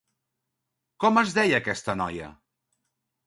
Com es deia aquesta noia?